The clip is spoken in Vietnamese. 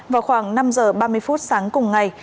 vào khoảng năm giờ ba mươi phút sáng cùng ngày